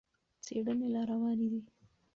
څېړنې لا روانې دي.